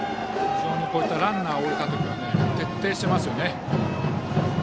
非常にランナーを置いた時は徹底していますよね。